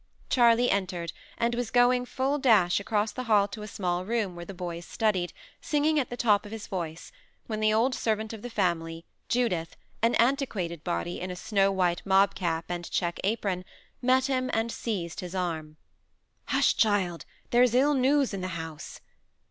Charley entered; and was going, full dash, across the hall to a small room where the boys studied, singing at the top of his voice, when the old servant of the family, Judith, an antiquated body, in a snow white mob cap and check apron, met him, and seized his arm. "Hush, child! There's ill news in the house."